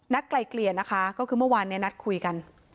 ไกลเกลี่ยนะคะก็คือเมื่อวานเนี่ยนัดคุยกัน